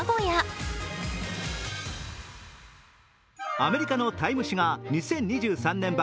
アメリカの「タイム」誌が２０２３年版